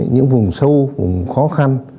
những vùng sâu vùng khó khăn